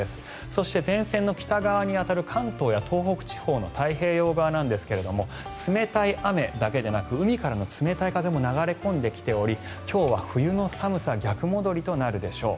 そして、前線の北側に当たる関東や東北地方の太平洋側なんですが冷たい雨だけでなく海からの冷たい風も流れ込んできており今日は冬の寒さ逆戻りとなるでしょう。